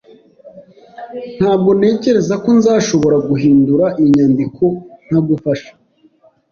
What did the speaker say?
Ntabwo ntekereza ko nzashobora guhindura iyi nyandiko ntagufasha.